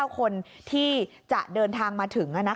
๙คนที่จะเดินทางมาถึง